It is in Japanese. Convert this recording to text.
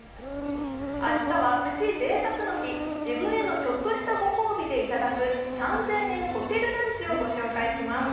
明日はプチ贅沢の日自分へのちょっとしたご褒美でいただく３０００円ホテルランチをご紹介します